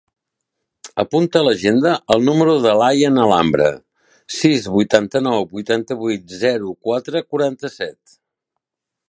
Apunta a l'agenda el número de l'Ayaan Alhambra: sis, vuitanta-nou, vuitanta-vuit, zero, quatre, quaranta-set.